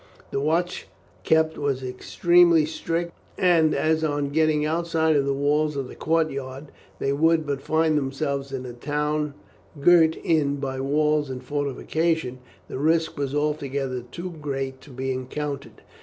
The watch kept was extremely strict, and as on getting outside of the walls of the courtyard, they would but find themselves in a town girt in by walls and fortifications, the risk was altogether too great to be encountered.